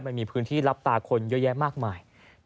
มันมีพื้นที่รับตาคนเยอะแยะมากมาย